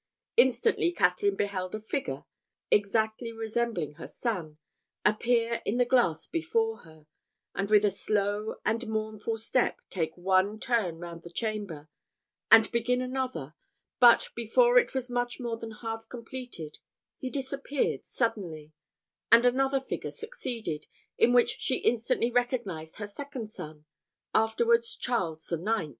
"Instantly Catherine beheld a figure, exactly resembling her son, appear in the glass before her, and with a slow and mournful step take one turn round the chamber and begin another; but before it was much more than half completed, he disappeared suddenly; and another figure succeeded, in which she instantly recognised her second son, afterwards Charles IX.